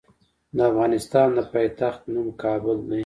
د افغانستان د پايتخت نوم کابل دی.